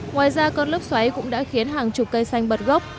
ngoài ra cơn lốc xoáy cũng đã khiến hàng chục cây xanh bật gốc